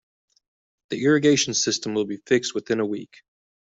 The irrigation system will be fixed within a week.